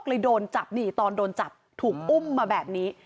ก็เลยโดนจับตอนโดนจับถูกอุ้มมาแบบนี้